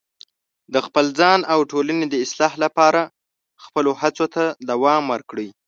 د خپل ځان او ټولنې د اصلاح لپاره خپلو هڅو ته دوام ورکړئ.